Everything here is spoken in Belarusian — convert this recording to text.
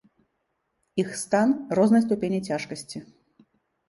Іх стан рознай ступені цяжкасці.